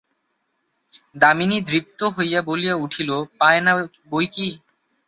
দামিনী দৃপ্ত হইয়া বলিয়া উঠিল, পায় না বৈকি!